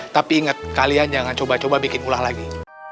tapi ingat kalian jangan coba coba bikin ulah lagi